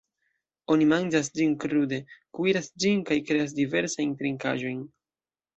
Oni manĝas ĝin krude, kuiras ĝin, kaj kreas diversajn trinkaĵojn.